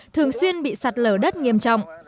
thường xuyên bị sạt lở đất nghiêm trọng